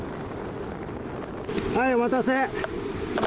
はい、お待たせ。